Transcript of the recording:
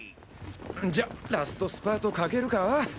んじゃラストスパートかけるか？